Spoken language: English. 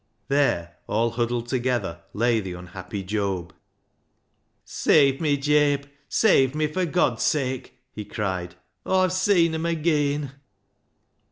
There, all huddled together, lay the unhappy Job. " Save me, Jabe ! Save me, fur God's sake !" he cried. " Aw've seen 'em ageean."